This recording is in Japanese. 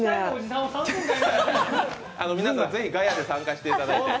皆さん、ぜひガヤで参加していただいて。